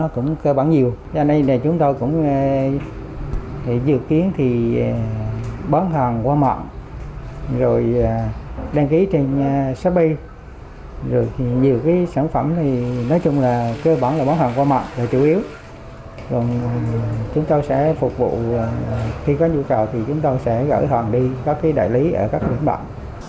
còn chúng tôi sẽ phục vụ khi có nhu cầu thì chúng tôi sẽ gửi hoàn đi các đại lý ở các nguyên bản